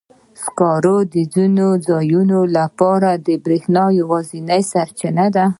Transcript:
سکاره د ځینو ځایونو لپاره د برېښنا یوازینی سرچینه ده.